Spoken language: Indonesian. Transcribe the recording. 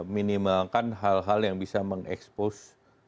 minimalkan hal hal yang bisa mengekspos